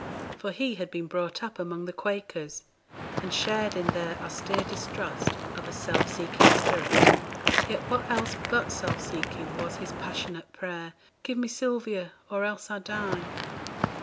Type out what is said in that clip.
For he had been brought up among the Quakers, and shared in their austere distrust of a self seeking spirit; yet what else but self seeking was his passionate prayer, 'Give me Sylvia, or else, I die?'